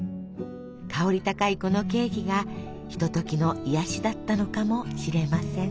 香り高いこのケーキがひとときの癒やしだったかもしれません。